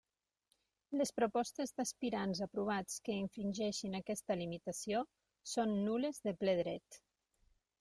Les propostes d'aspirants aprovats que infringeixin aquesta limitació són nul·les de ple dret.